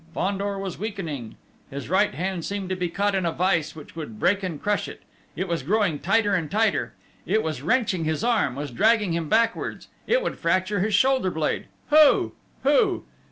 Fandor was weakening. His right hand seemed to be caught in a vise which would break and crush it: it was growing tighter and tighter: it was wrenching his arm, was dragging him backwards: it would fracture his shoulder blade! Who?... Who?...